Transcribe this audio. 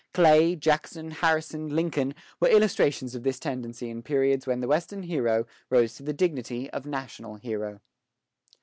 Clay, Jackson, Harrison, Lincoln, were illustrations of this tendency in periods when the Western hero rose to the dignity of national hero.